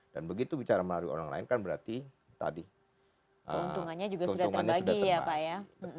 dan begitu bicara melalui orang lain kan berarti tadi keuntungannya sudah terbagi ya pak ya